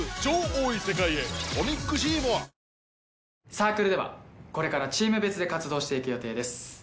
サークルではこれからチーム別で活動していく予定です。